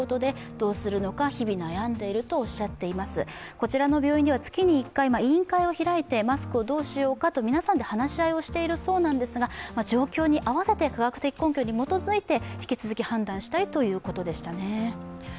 こちらの病院では月に１回委員会を開いてマスクをどうしようかと皆さんで話し合いをしているそうなんですが状況に合わせて科学的根拠に基づいて、引き続き判断したいということでしたね。